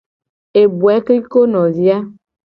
Eboe kliko novi a.